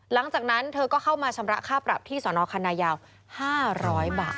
หลังจากนั้นเธอก็เข้ามาชำระค่าปรับที่สนคณะยาว๕๐๐บาท